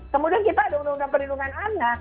kemudian kita ada undang undang perlindungan anak